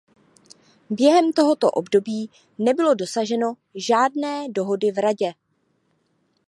Během tohoto období nebylo dosaženo žádné dohody v Radě.